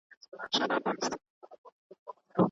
آیا ته به ما ته د کابل ښار تصویرونه وښایې؟